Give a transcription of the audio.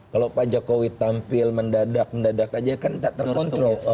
kalau pak jokowi tampil mendadak mendadak aja kan tak terkontrol